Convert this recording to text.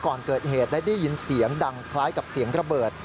ก่อนเกิดเหตุได้ยินเสียงดังคล้ายกับเสียงระเบิด